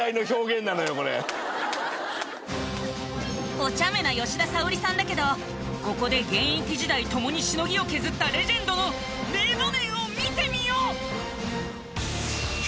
お茶目な吉田沙保里さんだけどここで現役時代共にしのぎを削ったレジェンドの名場面を見てみよう！